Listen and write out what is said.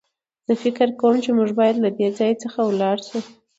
زه فکر کوم چې موږ بايد له دې ځای څخه ولاړ شو.